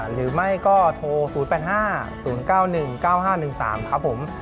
หรือไม่ก็โทร๐๘๕๐๙๑๙๕๑๓ครับผม